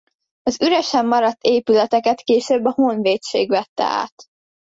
Az üresen maradt épületeket később a honvédség vette át.